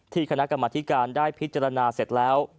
คณะกรรมธิการได้พิจารณาเสร็จแล้ว